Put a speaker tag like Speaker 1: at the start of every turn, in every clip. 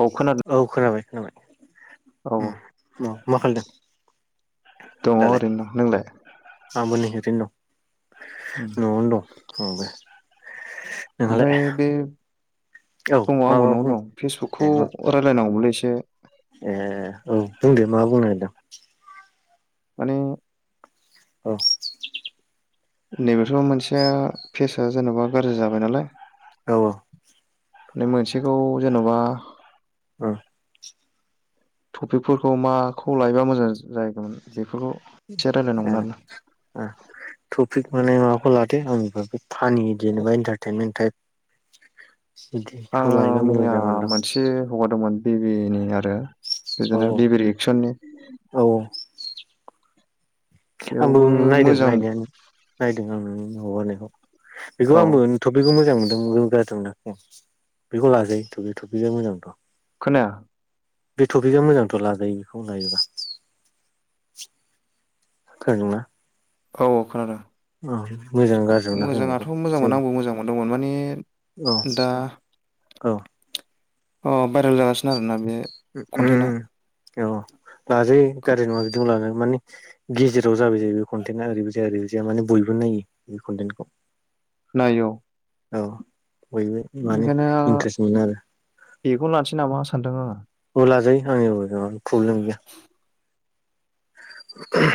Speaker 1: औ खोनादों
Speaker 2: औ खोनाबाय खोनाबाय
Speaker 1: औ
Speaker 2: औ मा खादों [unintelligible]
Speaker 1: दङ ओरैनो नोंलाय
Speaker 2: बिनो
Speaker 1: उम
Speaker 2: दं न'आवनो दंबो
Speaker 1: ओमफफ्राय बे
Speaker 2: औ
Speaker 1: दङ
Speaker 2: मा
Speaker 1: आंबो
Speaker 2: मा
Speaker 1: न'आव
Speaker 2: बुं
Speaker 1: दं
Speaker 2: ए
Speaker 1: फेसबुकखौ
Speaker 2: औ
Speaker 1: रायलायनांगौमोनलै एसे
Speaker 2: ए औ बुं दे मा बुंनोागदों [unintelligible]
Speaker 1: माने
Speaker 2: औ
Speaker 1: नैबथ' मोनसेया फेसआ जेन'बा गाज्रि जाबाय नालाय
Speaker 2: अ
Speaker 1: माने मोनसेखौ जेन'बा
Speaker 2: ओ
Speaker 1: टपिकफोरखौ माखौ लायोबा मोजां जाहैगौमोन बेफोरखौ
Speaker 2: ए
Speaker 1: एसे रायलायनांगौमोन आरोना
Speaker 2: ओ तपिक माने माबाखौ लादो आंबो फानि जेनबा इन्टारटेनमेन् टाइप बिदिखौ
Speaker 1: आङो
Speaker 2: लायोबा मोजां
Speaker 1: मैया
Speaker 2: जागोनदां
Speaker 1: मोनसे हौगारदोंमोन बिबिनि आरो
Speaker 2: औ
Speaker 1: बिदिनो बिबि रि एक्सननि
Speaker 2: औ आंबो नायदों
Speaker 1: मोजां
Speaker 2: नायनायानो नायदों आं हगारनायखौ बेखौ
Speaker 1: औ
Speaker 2: आंबो थटपिकखौ मोजां मोन [unintelligible] बेखौ लाजायो थ थपिकआ मोजांथ'
Speaker 1: खोनाया
Speaker 2: बे टपिकआ मोजांथ' लाजायो बेखौ लायोबा थागोनना
Speaker 1: औ खोनादों
Speaker 2: मोजां गाज्रि मोनाखै आं बेखौ
Speaker 1: मोजाङाथ' मोजांमोन
Speaker 2: जेन
Speaker 1: आंबो मोजां मोनदोंमोन माने
Speaker 2: औ
Speaker 1: ने दा
Speaker 2: औ
Speaker 1: अ भाइरेल जागासिनो आरोना बे
Speaker 2: ओ
Speaker 1: कन्टेन्टआ
Speaker 2: ओ औ लाजायो गार्जि नङा बिदिनो लान माने गेजेराव जाबाय जायो बे कनटेन्टा ओरैबो जाया ओरै जाया माने बयबो नायो बे कनटेन्टखौ
Speaker 1: नायो औ
Speaker 2: औ बयबो माने
Speaker 1: ओंखायनो
Speaker 2: इन्ट्रेस्ट मोनो आरो
Speaker 1: बेखौनो लानोसै नामा सानदों आङो
Speaker 2: लाजायो आंनि प्रब्लेम गैया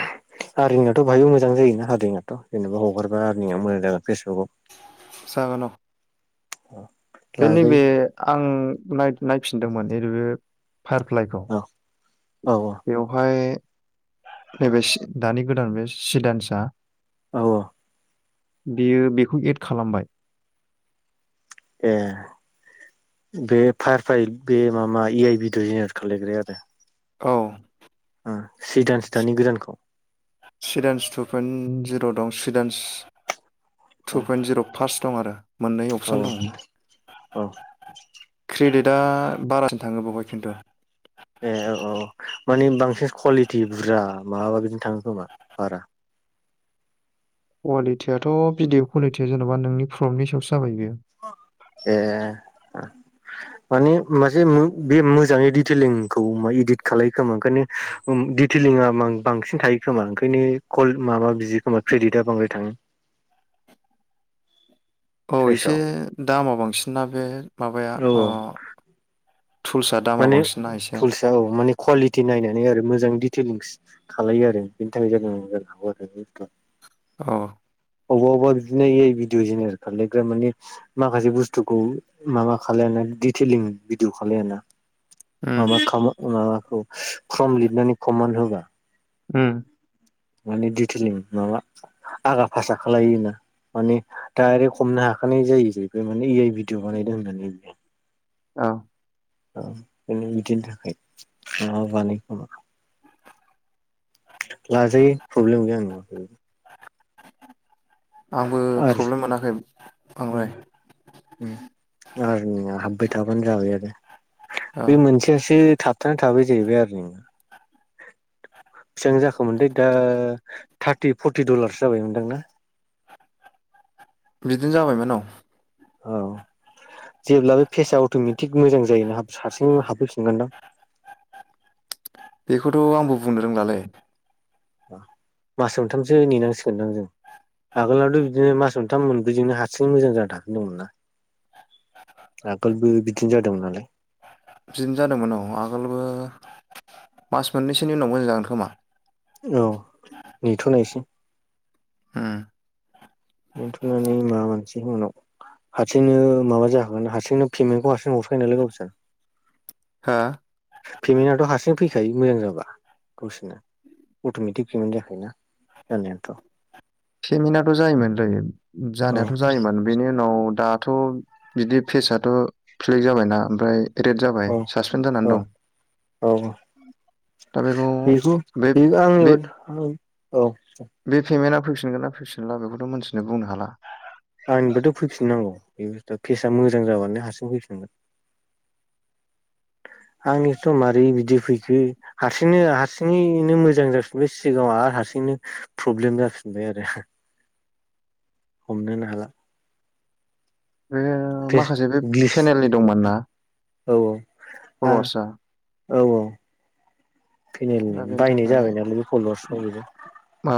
Speaker 2: आरिनिआथ' बाहायबो मोजां जायोना आरनिंआथ' जेनेबा हगारबा आरनिङआ मोजां जागोन फेसबुकआव
Speaker 1: जागोन
Speaker 2: औ
Speaker 1: बे नैबे आं नाय नायफिनदोंमोन रै बे फायारफ्लाइखौ
Speaker 2: औ औ
Speaker 1: बेवहाय नैबे दानि गोदान बे सिदानसा
Speaker 2: औ
Speaker 1: बेयो बेखौ एड खालामबाय
Speaker 2: ए बे फार फाय बे माबा ए आइ भिदिअ जेनेरेत खालायग्राया आरो
Speaker 1: औ
Speaker 2: सिदानस दानि गोदानखौ
Speaker 1: सिइदान्स टु पइन्ट जिर' दं सिइदान्स
Speaker 2: औ
Speaker 1: टु पइन्ट जिर' फार्स्ट दं आरो मोननै
Speaker 2: औ
Speaker 1: अपसन दं
Speaker 2: औ
Speaker 1: क्रेडिट दा बारासिम थाङो बेावहाय खिन्थु
Speaker 2: ए औ औ मानिे बांसिन कुवालिटि बुरजा माबाबा बिदिनो थाङो खोमा बारा
Speaker 1: कुवालिटियाथ' भिडिअ कुवालिटिया जेन'बा नोंनि फ्रमनि सायावस
Speaker 2: ए माने मासे बे मोजाङै दिडिटेलिंखौ इदित खालामल खोमा ओंखायनो दिडिटेलिंआ मा बांसिन थायो खोमा ओंखायनो कल माबा बियो खोमा क्रेडिटआ बांद्राय थाङो
Speaker 1: औ एसे
Speaker 2: साइसआव
Speaker 1: दामा बांसिन ना बे माबाया
Speaker 2: औ
Speaker 1: अ
Speaker 2: औ
Speaker 1: टुल्सआ दामा
Speaker 2: माने
Speaker 1: बांसिन ना एसे
Speaker 2: थुलसा औ माने कुवालिटि नायनानै आरो मोजां डिटेलिंस खालामलायो आरो बेनि थाखाय जादों जानो हागौ आरो
Speaker 1: औ
Speaker 2: अबावबा अबावबा बिदिनो ए आइ भिडअ जेनेरेट खालामलायग्रा माने माखासे बुस्थुखौ माबा खालामलानो दिटेलिं भिदिअ खालायाना ।
Speaker 1: उम
Speaker 2: माबा ख माबाखौ फ्रम लिरनानै खमान होबा।
Speaker 1: ओम
Speaker 2: माने दिटिलिं माबा आगा फासा खालायोना। माने डायरेक्ट हमनो हाखानाय जायो जाहैबाय माने ए आइ भिडिअ बानायदों होननानै बियो।
Speaker 1: औ
Speaker 2: औ बे बिदिनो थाखाय माबा बानायो खोमा। लाजायो प्रब्लेम गैया आं नुआखैनो।
Speaker 1: आंबो प्रब्लेम
Speaker 2: आरो
Speaker 1: मोनाखै बांद्राय
Speaker 2: ओम आरनिंया हाब्बाय थाबानो जाबाय आरो
Speaker 1: औ
Speaker 2: बे मोनसेस से थाबथानानै थाबाय जाहैबाय आरो बेसिबां जाखो मोन दा थार्टि फर्टि दलार्स जाबायमोनदां ना। [inaudible]
Speaker 1: बिदिनो जाबायमोन औ।
Speaker 2: औ जेब्लाबो फेसआ अट'मेटिक मोजां जायोना हाब सारसिं हाबफैफिनगोनदां।
Speaker 1: थ' आंबो बुंनो रोंलालै।
Speaker 2: मास मोनथामसो नेनांसिगोनदां जों आगोलावथ' बिदिनो मास मोन थाम मोनब्रैजोंनो हारसिं मोजां जानानै दंमोन ना आगोलबो बिदिनो जादोंमोन नालाय।
Speaker 1: बिदिनो जादोंमोन औ आगोलबो मास मोननैसोनि उनाव मोजां जागोन खोमा।
Speaker 2: औ नेथ'नायसै।
Speaker 1: ओम।
Speaker 2: नेथ'नानै माबा मोनसे उनाव हारसिंनो माबा जाखागोन हारसिंनो पेमेन्टखौ हारसिंनो हरखायो नालाय गावसोर
Speaker 1: हा?
Speaker 2: पेमेन्टआथ' हारसिं फैखायो मोजां जाबा गावसोरनो अट'मेटिक पेमेन्ट जाखायोना। जानायाथ'
Speaker 1: पेमेन्टआथ' जायोमोनलै जानायाथ' जायोमोन बेनि उनाव दा थ' बिदि फेेजाथ' फ्लेक जाबायना ओमफ्राय रेट
Speaker 2: औ
Speaker 1: जाबाय सासपेन
Speaker 2: औ
Speaker 1: जानानै दं।
Speaker 2: औ औ
Speaker 1: दा बेखौ बे बे
Speaker 2: औ
Speaker 1: बे पेमेन्टआ फैफिगोना फैफिनला बेखौथ' मोनथिनो बुंनो हाला।
Speaker 2: दा केसा मोजां जाबानो हारसिं फैफिनगोन। आंनिथ' मारै बिदि फैखो हारसिंनो हारसिङैनो मोजां जाफिनबाय सिगाङाव आ हारसिंनो प्रब्लेम जाफिनबाय आरो। हमनो नो हाला।
Speaker 1: बे
Speaker 2: फेस
Speaker 1: माखासे बे
Speaker 2: ग्लिस
Speaker 1: पेनेलनि दंमोन ना।
Speaker 2: औ औ आ
Speaker 1: फल'वार्सआ
Speaker 2: औ औ फेनेलनि
Speaker 1: दा बेनि
Speaker 2: बायनाय
Speaker 1: थाखाय
Speaker 2: जाबाय नालाय बे फल'वार्सखौ बेजों।
Speaker 1: औ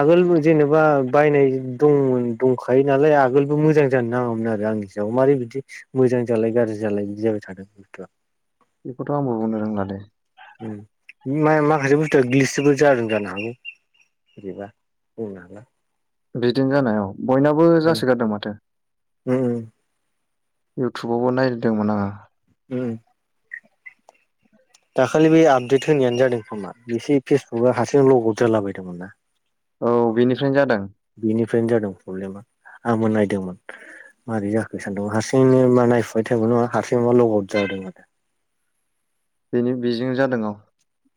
Speaker 2: आगोल जेनेबा बायनाय दंमोन दंखायो नालाय आगोलबो मोजां जानो नाङामोन आरो। आंनि सायाव मारै बिदि मोजां जालाय गाज्रि जालाय बिदि जाबाय थादों बुस्थुआ।
Speaker 1: बेखौथ' आंबो बुंनो रोंला दे।
Speaker 2: ओम मा-माखासे बुस्थुआ गिलिरसोबो जादों जानो हागौ। बोरैबा बुंनो हाला।
Speaker 1: बिदिनो जानायाव बयनाबो जासोगारदों माथो।
Speaker 2: ओम।
Speaker 1: इउटुबावबो नायदोंमोन आं
Speaker 2: ओम दाखालि बे आपडेट होनायानो जादों खोमा एसे फेसबुकआ हारसिंनो लग आउद जालाबायादोंमोन ना
Speaker 1: औ बेनिफ्रायनो जादों
Speaker 2: फ्रायनो जादों प्रब्लेमा। आंबो नायदोंमोन माबारै जाखो सानदों हारसिंनो मा नायफुबाय टाइमावनो माबा हारसिं मा लग आउट जादों । नंगैदा।
Speaker 1: बेनि बेजों जादों औ ।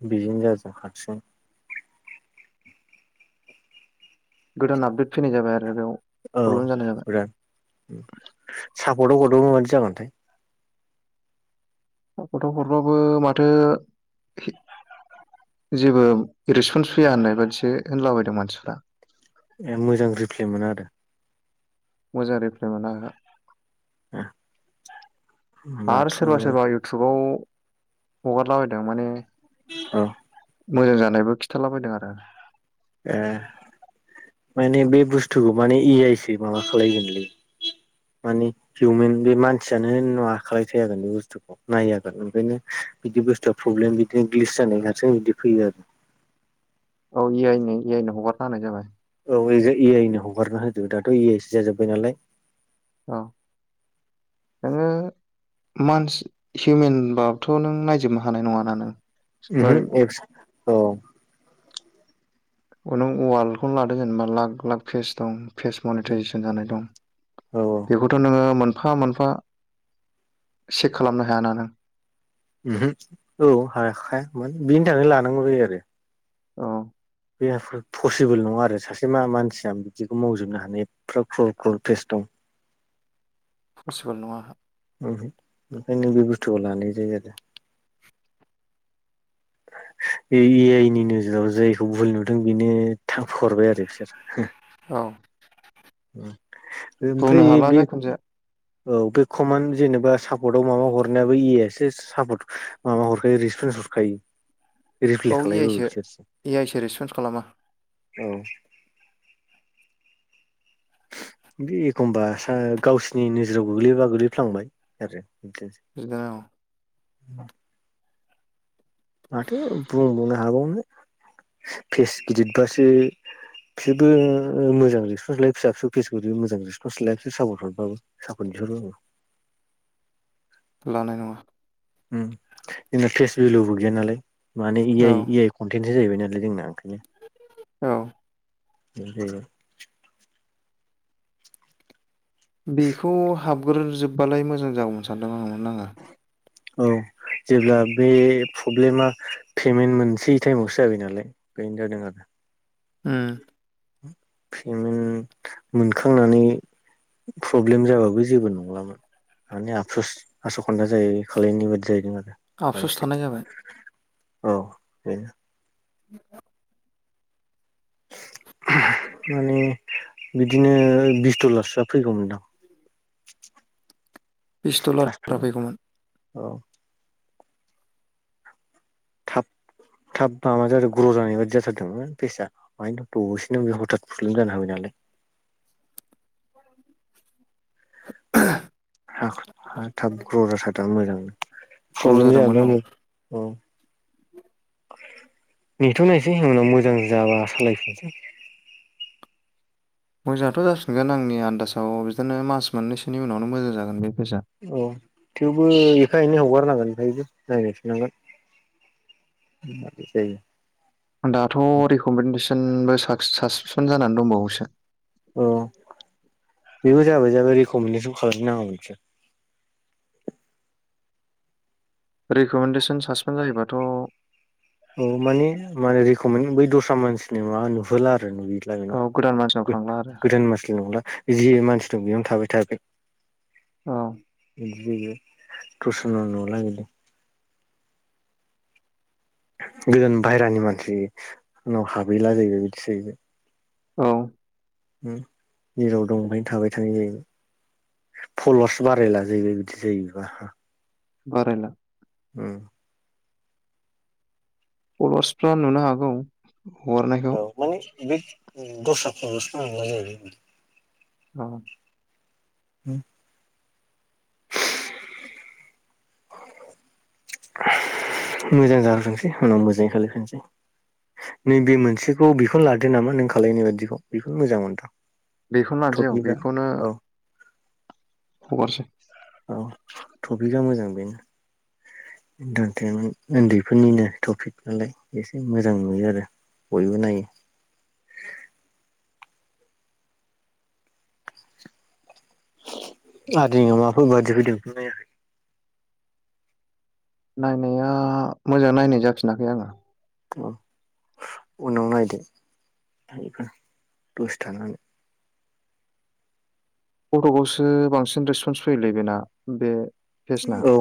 Speaker 2: बेदिनो जादों हारसिं ।
Speaker 1: गोदान आपडेट फैनाय जाबाय आरो बेयाव
Speaker 2: औ
Speaker 1: प्रब्लेम जानाय जाबाय
Speaker 2: बिराद
Speaker 1: ।
Speaker 2: सापर्टआव हरदो मादि जागोनथाय ।
Speaker 1: गथ'फोरबाबो माथो जेबो रिसपन्स फैया होननाय बाददिसो होनलाबायदों मानसिफ्रा ।
Speaker 2: ए मोजां रिफ्लेमोना आरो ।
Speaker 1: मोजां रिप्लाय मोना ओहो । आरो
Speaker 2: होमबाथ'
Speaker 1: सोरबा सोरबा इउटुबाव हगारलाबायदों माने
Speaker 2: औ ।
Speaker 1: मोजां जानायबो खिन्थाला बदों आरो ।
Speaker 2: ए माने बे बुस्थुखौ माने एइ आइसै माबा खालायगोनलै । मानि हिउमेन बे मानसियानो होनना खालाय थि बे बुस्थुखौ नायो ओंखायनो । बिदि बुस्थुआ प्रब्लेम बिदिनो ग्लिस जानाय हारसिं बिदि फैयो आरो ।
Speaker 1: औ ए आइनि ए आइनो हगारना होनानाय जाबाय ।
Speaker 2: अ जे ए आइनो हगारना होदो दाथ' ए आइसो जाजोब्बाय नालाय।
Speaker 1: औ नोङो मानस हिउमेन बाबथ' नों नायजोबनो हानाय नङाना नों ।
Speaker 2: ओहोम एफस औ ।
Speaker 1: अ नों वालखौनो लादों जेनेबा लाख लाख फेस दं । फेस
Speaker 2: औ
Speaker 1: मनिटजेसन जानाय दं
Speaker 2: औ
Speaker 1: बेखौथ' नोङो मोन मोनफा मोनफा चेक खालामनो हायाना नों ।
Speaker 2: ओहोम औ हा हाखाया माने बिनि थाखाय लानांगौ जायो आरो ।
Speaker 1: औ ।
Speaker 2: बे आफ पसिबोल नङा आरो सासे मा मानसिया बिदिखौ मावजोबनो हानाय एफा क्रल क्रल फेस दं ।
Speaker 1: फसिबोल नङा ।
Speaker 2: ओहोम ओंखाय नो बे बुस्थुखौ लानाय जायो आरो । ए आइ नि नोजोराव जायखौ भुल नुदों बेनो थां हरबाय आरो बिसोर ।
Speaker 1: औ। बुंनो
Speaker 2: ओमफ्राय
Speaker 1: हाला
Speaker 2: बे
Speaker 1: जायखुनु जाया
Speaker 2: । औ बे कमान जेनेबा सापर्टताव माबा हरनायाबो ए आइ आसो सापर्ट माबा हरखायो रिसपन्स । बुरखायो रिप्ले
Speaker 1: औ ए आइ
Speaker 2: खालायबाबो
Speaker 1: सो
Speaker 2: बिसोरसो ।
Speaker 1: ए आइ सो रेसपन्स खालामा
Speaker 2: औ। बे एखमबा सा गावसिनि नोजोराव गोग्लैबा गोग्लैफ्लांबाय आरो ।
Speaker 1: [unintelligible]
Speaker 2: [inaudible] माथो बुंबावनो हाबावनो फेस गिदिरबासो । बिसोरबो ओ मोजां रेसपनस लायो फिसा फिसौ फेसबुकनि मोजां रेसपन्स लाया सापर्ट हरबाबो सापर्ट । [unintelligible]
Speaker 1: लानाय नङा ।
Speaker 2: उम जोंना फेस भल'बो गैया नालाय माने ए
Speaker 1: औ
Speaker 2: आइ ए आइ कनटेन । बि जाहैबाय नालाय जोंना ओंखायनो ।
Speaker 1: औ ।
Speaker 2: [unintelligible]
Speaker 1: बेखौ हाबग्रोजोबबालाय मोजां जागौमोन सानदों आं नोंङा ।
Speaker 2: औ । जेब्ला बे प्रब्लेमा पेमेन्ट मोनसे टाइमावसो जाबाय नालाय बेनो जादों आरो।
Speaker 1: उम।
Speaker 2: पेमेन्ट मोनखांनानै प्रब्लेम जाबाबो जेबो नंलामोन माने आबसुस आस' खानदा जायो खालनाय बादि जाहैदों आरो।
Speaker 1: आफपस'स
Speaker 2: बायसे
Speaker 1: थानाय जाबाय।
Speaker 2: औ
Speaker 1: [inaudible]
Speaker 2: [inaudible] माने बिदिनो बिसथलसोआ फैगौमोनदां [inaudible]
Speaker 1: पिस्टलार
Speaker 2: फार्स्ट
Speaker 1: बारा
Speaker 2: पेमेन्ट
Speaker 1: फैगौमोन
Speaker 2: औ थाब थाब माबा जादों ग्र' जानाय बाददि जाथारदोंमोन फेसाआ मायनो दसेनो बे हथाथ प्रब्लेम जानो हाबाय नालाय। [inaudible] हा हा थाब ग जाथारा मोजां
Speaker 1: ग्र'
Speaker 2: प्रब्लेम
Speaker 1: जादोंमोन
Speaker 2: जाया
Speaker 1: औ
Speaker 2: औ [inaudible] नेथ' नायस उनाव मोजां जाबा सालायफिनसै।
Speaker 1: मोजाङथ' जासिनगोन आंनि आन्दाजाव बिदिनो मास मोननैसोनि उनावनो मोजां जागोन बे। पेजआ
Speaker 2: औ थेवबो एफा एनै हगारनांगोन। बेहायबो नायगासिनांगोन [inaudible] जायो।
Speaker 1: दाथ' रेकमेन्डेसनबो साबेसन जानानै दंबावोसो।
Speaker 2: अ बेबो जाबाय जाबाय रिकमेडेसन खालामनो नांगौ नोंसोर [inaudible]
Speaker 1: रेकमेन्डेसन सासपेन जायोबाथ'
Speaker 2: औ माने माने रिकमे बै दस्रा मानसिनि माबा नुहोला आरो।
Speaker 1: गोदान मानसिनाव थांला आरो
Speaker 2: [unintelligible] जि मानसि दं बेयावनो थाबाय थायाखै
Speaker 1: औ
Speaker 2: [unintelligible] गोदान बायेरानि मानसि उनाव हाबहैला जाहैबाय बिदि जाहैबाय।
Speaker 1: औ।
Speaker 2: ओम जेराव दं बेहायनो थाबाय थानाय जाहैबाय फल'वार्स बारायलाजायोबाय बिदि जायोबा
Speaker 1: बारायला।
Speaker 2: ओम
Speaker 1: फल'वार्सफ्रा नुनो हागौ हरनायखौ
Speaker 2: औ माने बे दस्रा खन्दसो फनाय जायोबा
Speaker 1: औ
Speaker 2: उम मोजां जाहफोंसै उनाव मोजाङै खालफिनसै नैबे मोनसेखौ बेखौनो लादो नामा नों खालायनाय बादिखौ बेखौनो मोजां मोनदोंं
Speaker 1: बेखौनो लानोसै औ बेखौनो हगारसै
Speaker 2: औ टपिकआ मोजां बेनो। इन्टारटेनमेन्ट उन्दैफोरनिनो टपिक नालाय एसे मोजां नुयो आरो। बयबो नायो। आरो माफोरबायादि फैदों नायाखै
Speaker 1: नायनाया मोजां नायनाय जाफिनाखै आङो
Speaker 2: [unintelligible] उनाव नायदो फोर दसे थानानै
Speaker 1: फथ'खावखौसो बांसिन रेसपन्स फैयोलै बेना बे पेजना
Speaker 2: औ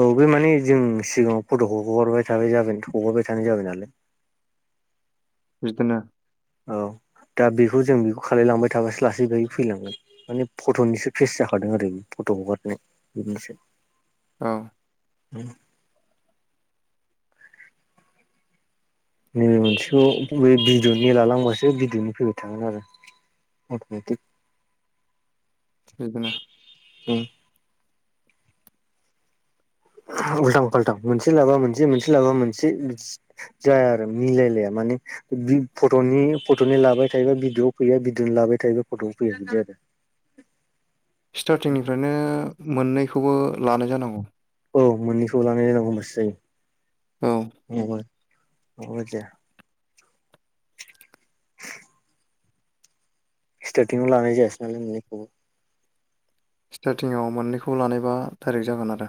Speaker 2: औ बे माने जों सिगाङाव फट'खौ हगारबाय थाबाय जाबाय हगारबाय थानाय जाबाय नालाय।
Speaker 1: बिदिनो
Speaker 2: औ दा बेखौ जों बेखौ खालायलांबाय थाबासो लासै गायै फैलांगोन माने फट'निसो फेस जाखादों आरो। फथ' हगारनो बिदिनोसै
Speaker 1: औ
Speaker 2: उम नैबे मोनसेखौ बे बिदिवनि लालांबासो बिदनि फैबाय थागोन आरो। [unintelligible]
Speaker 1: बेदिनो।
Speaker 2: उम उल्थां फाल्थां मोनसे लाबा मोनसे मोनसे लाबा मोनसे जाया आरो मिलायलाया मा। माने फट'नि फट'नि लाबाय थायोबा भिडिअआव फैया भिदडअनो लाबाय थायोबा फट'आव फैया बिदि आरो। [unintelligible]
Speaker 1: स्टारटिंनिफ्रायनो मोननैखौबो लानाय जानांगौ
Speaker 2: औ मोननैखौ लाना नायनांगौ होनबासो
Speaker 1: औ
Speaker 2: जायो आरो। [unintelligible] सटारटिंआव लानाय जायासै नालाय मोनैखौबो।
Speaker 1: स्टारटिंआव मोननैखौ लानायबा थारै जागोन आरो